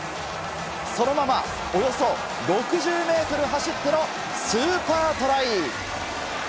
そのままおよそ６０メートル走ってのスーパートライ。